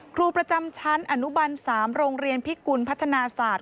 ครูประจำชั้นอนุบัน๓โรงเรียนพิกุลพัฒนาศาสตร์